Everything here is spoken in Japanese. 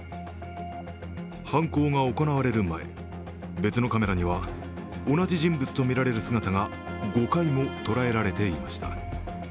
犯行が行われる前、別のカメラには同じ人物とみられる姿が５回も捉えられていました。